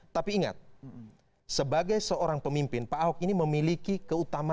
tapi ingat sebagai seorang pemimpin pak ahok ini memiliki keutamaan